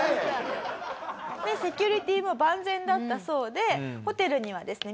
セキュリティーも万全だったそうでホテルにはですね。